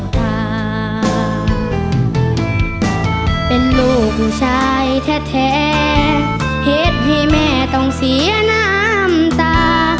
ความเป็นลูกผู้ชายแท้เหตุให้แม่ต้องเสียน้ำตา